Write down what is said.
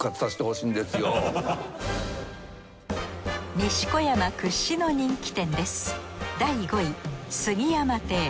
西小山屈指の人気店です